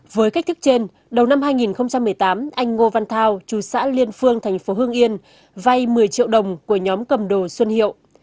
với cách thức trên đầu năm hai nghìn một mươi tám anh ngô văn thao chú xã liên phương thành phố hương yên vay một mươi triệu đồng của nhóm cầm đồ xuân hiệu